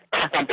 bahwa saat itu